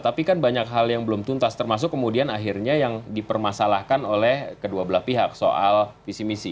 tapi kan banyak hal yang belum tuntas termasuk kemudian akhirnya yang dipermasalahkan oleh kedua belah pihak soal visi misi